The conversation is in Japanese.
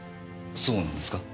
そうなんですか？